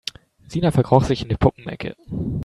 Sina verkroch sich in die Puppenecke.